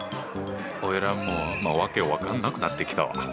おいらもうわけ分かんなくなってきたわ。